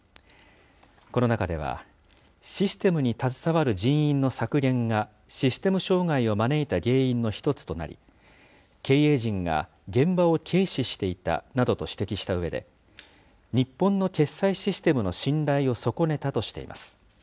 この中では、システムに携わる人員の削減がシステム障害を招いた原因の１つとなり、経営陣が現場を軽視していたなどと指摘したうえで、日本の決済システムの信頼を損ねたとしています。